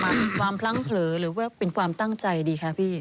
ความพลั้งเผลอหรือว่าเป็นความตั้งใจดีคะพี่